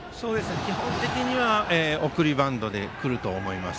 基本的には送りバントで来ると思います。